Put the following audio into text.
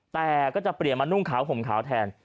แต่ก็จะเปลี่ยนมานุ่งขาวห่มขาวแทน